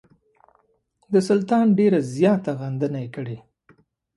د سلطان ډېره زیاته غندنه یې کړې.